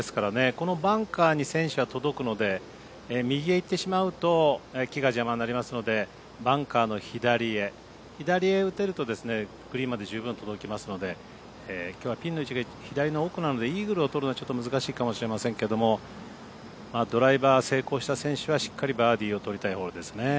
このバンカーに選手は届くので右へ行ってしまうと木が邪魔になりますのでバンカーの左へ、左へ打てるとグリーンまで十分届きますのできょうはピンの位置が左の奥なのでイーグルを取るのはちょっと難しいかもしれませんけれどもドライバー成功した選手はしっかりバーディーを取りたいホールですね。